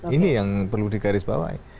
ini yang perlu digarisbawahi